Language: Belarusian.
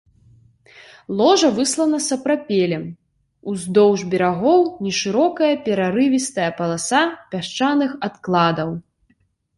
Ложа выслана сапрапелем, уздоўж берагоў нешырокая перарывістая паласа пясчаных адкладаў.